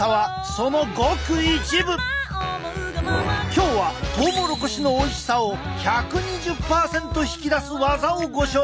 今日はトウモロコシのおいしさを１２０％引き出すワザをご紹介！